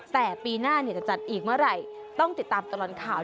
แต่ปีหน้าจะจัดอีกเมื่อไหร่ต้องติดตามตลอดข่าว